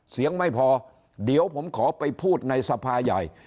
ไม่พอเดี๋ยวผมขอไปพูดในสภาใหญ่